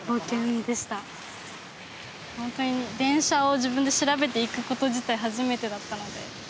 ほんとに電車を自分で調べていくこと自体初めてだったので。